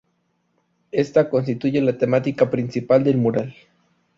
Esta constituye la temática principal del mural.